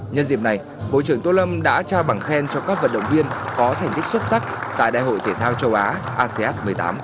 nhân dịp này bộ trưởng tô lâm đã trao bằng khen cho các vận động viên có thành tích xuất sắc tại đại hội thể thao châu á asean một mươi tám